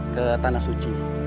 ke tanah suci